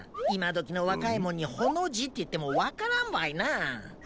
今どきの若いもんに「ホの字」って言っても分からんわいなあ。